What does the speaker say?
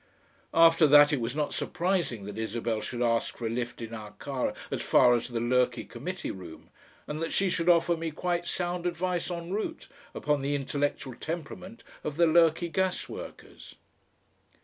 After that it was not surprising that Isabel should ask for a lift in our car as far as the Lurky Committee Room, and that she should offer me quite sound advice EN ROUTE upon the intellectual temperament of the Lurky gasworkers.